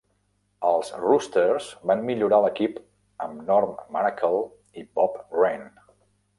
Els Roosters van millorar l'equip amb Norm Maracle i Bob Wren.